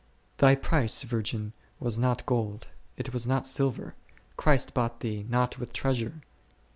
Thy price, virgin, was not gold, it was not silver ; Christ bought thee not with treasure.